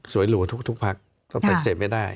สวยหลูทุกภักดิ์ต้องไปเสพไม่ได้